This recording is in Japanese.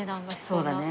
そうだね。